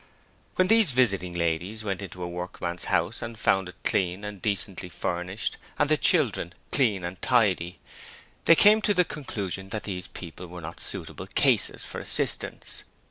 When these visiting ladies' went into a workman's house and found it clean and decently furnished, and the children clean and tidy, they came to the conclusion that those people were not suitable 'cases' for assistance.